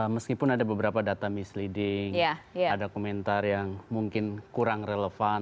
meskipun ada beberapa data misleading ada komentar yang mungkin kurang relevan